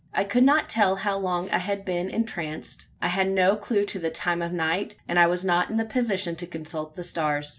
I could not tell how long I had been entranced. I had no clue to the time of night, and I was not in a position to consult the stars.